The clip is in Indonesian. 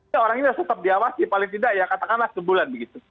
ya orang ini harus tetap diawasi paling tidak ya katakanlah sebulan begitu